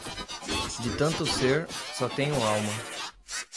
De tanto ser, só tenho alma.